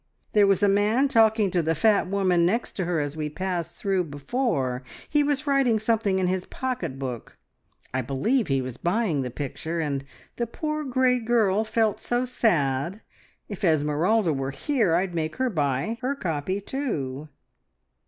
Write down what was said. There was a man talking to the fat woman next to her as we passed through before. He was writing something in his pocket book. I believe he was buying the picture, and the poor grey girl felt so sad. If Esmeralda were here, I'd make her buy her copy, too."